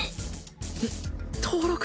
えっ登録？